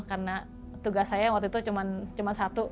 karena tugas saya waktu itu cuma satu